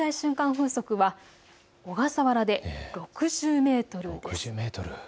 風速は小笠原で６０メートル。